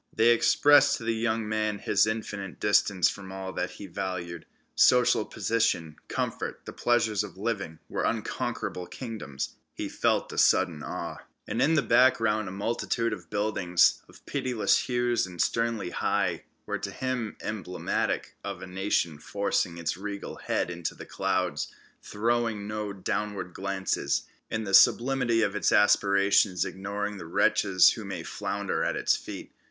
They expressed to the young man his infinite distance from all that he valued. Social position, comfort, the pleasures of living, were unconquerable kingdoms. He felt a sudden awe. And in the background a multitude of buildings, of pitiless hues and sternly high, were to him emblematic of a nation forcing its regal head into the clouds, throwing no downward glances; in the sublimity of its aspirations ignoring the wretches who may flounder at its feet.